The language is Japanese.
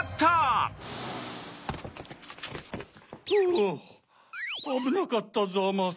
ふぅあぶなかったざます。